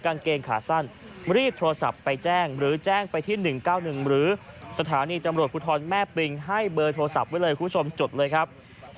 กางเกงขาสั้นรีบโทรศัพท์ไปแจ้งหรือแจ้งไปที่๑๙๑หรือสถานีตำรวจภูทรแม่ปิงให้เบอร์โทรศัพท์ไว้เลยคุณผู้ชมจดเลยครับ